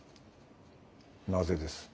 なぜです？